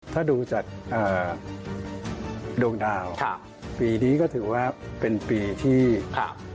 ถ้าดูจากเอ่อโดงดาวค่ะปีนี้ก็ถือว่าเป็นปีที่ค่ะ